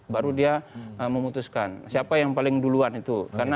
baru dia memutuskan siapa yang paling duluan itu